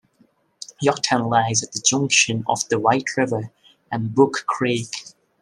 Yorktown lies at the junction of the White River and Buck Creek.